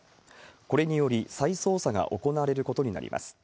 これにより再捜査が行われることになります。